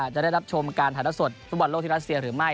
จะได้รับชมการถ่ายละสดฟุตบอลโลกที่รัสเซียหรือไม่